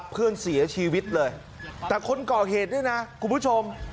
เพื่อนเสียชีวิตเลยแต่คนก่อเหตุเนี่ยนะคุณผู้ชม